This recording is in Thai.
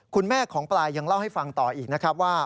คุณแม่ของปลายยังเล่าให้ฟังต่ออีกนะครับว่า